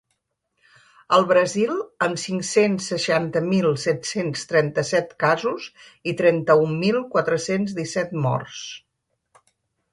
El Brasil, amb cinc-cents seixanta mil set-cents trenta-set casos i trenta-un mil quatre-cents disset morts.